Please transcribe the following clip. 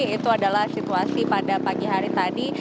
itu adalah situasi pada pagi hari tadi